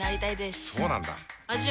そうなんだ。